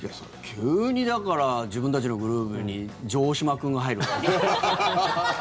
急に自分たちのグループに城島君が入るの？